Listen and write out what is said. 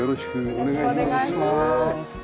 お願いします。